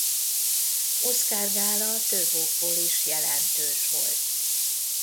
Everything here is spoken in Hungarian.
Oscar-gála több okból is jelentős volt.